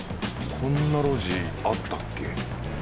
こんな路地あったっけ？